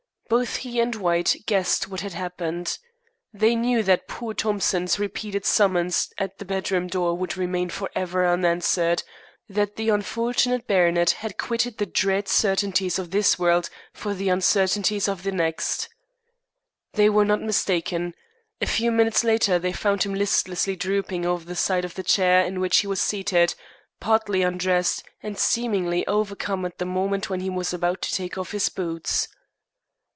Both he and White guessed what had happened. They knew that poor Thompson's repeated summons at the bedroom door would remain forever unanswered that the unfortunate baronet had quitted the dread certainties of this world for the uncertainties of the next. They were not mistaken. A few minutes later they found him listlessly drooping over the side of the chair in which he was seated, partly undressed, and seemingly overcome at the moment when he was about to take off his boots.